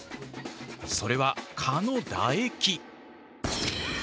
それは蚊の唾液。